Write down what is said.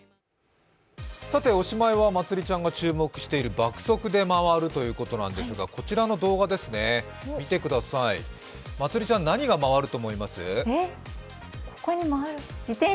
おしまいはまつりちゃんが注目している爆速で回るということなんですが、こちらの動画ですね、見てくださいまつりちゃん、何が回ると思います？